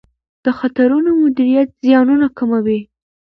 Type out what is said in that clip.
د خطرونو مدیریت زیانونه کموي.